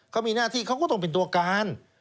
เขามีหน้าที่เขาก็ต้องเป็นตัวการ